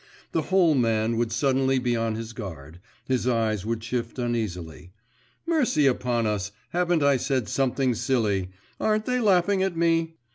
… The whole man would suddenly be on his guard, his eyes would shift uneasily.… 'Mercy upon us! Haven't I said something silly; aren't they laughing at me?